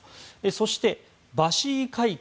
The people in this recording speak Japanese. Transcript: そして、バシー海峡。